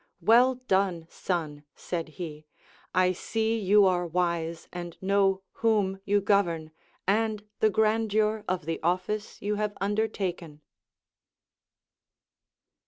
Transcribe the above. AVell done, son, said he, I see you are Λvise, and know whom you govern, and the grandeur of the office you have undertaken.